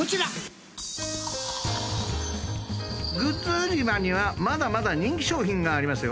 グッズ売り場にはまだまだ人気商品がありますよ。